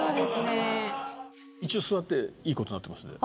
一応座っていい事になってますんで。